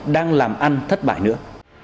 đang làm ăn thất bại nữa